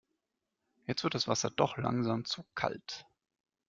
Jetzt wird das Wasser doch langsam zu kalt.